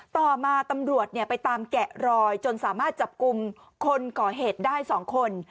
ต่อมาตำรวจไปตามแกะรอยจนสามารถจับกลุ่มคนก่อเหตุได้๒คน